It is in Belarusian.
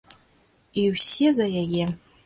І ўсе за яе.